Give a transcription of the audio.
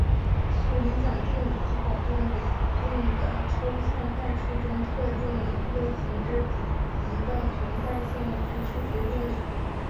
素理想定理即保证在给定的抽象代数中特定类型之子集的存在性之数学定理。